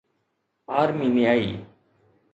آرمينيائي